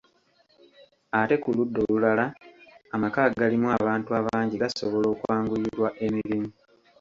Ate ku ludda olulala amaka agalimu abantu abangi gasobola okwanguyirwa emirimu.